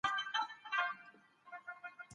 بلکې په جوړولو کې.